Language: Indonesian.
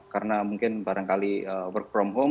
karena mungkin barangkali work from home